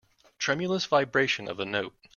Tremulous vibration of a note.